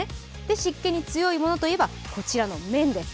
湿気に強いものといえばこちらの綿です。